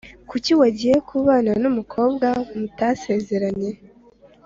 kuki wagiye kubana numukobwa mutasezeranye